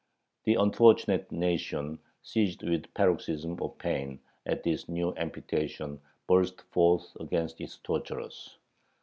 The unfortunate nation, seized with a paroxysm of pain at this new amputation, burst forth against its torturers.